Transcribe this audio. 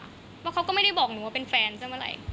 เพราะเขาก็ไม่ได้บอกหนูว่าเป็นแฟนซะเมื่อไหร่